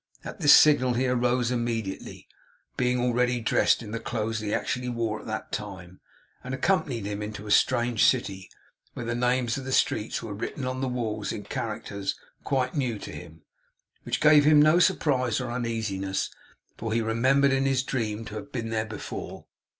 At this signal he arose immediately being already dressed in the clothes he actually wore at that time and accompanied him into a strange city, where the names of the streets were written on the walls in characters quite new to him; which gave him no surprise or uneasiness, for he remembered in his dream to have been there before.